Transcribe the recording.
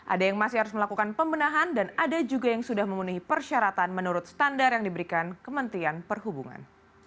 ada yang masih harus melakukan pembenahan dan ada juga yang sudah memenuhi persyaratan menurut standar yang diberikan kementerian perhubungan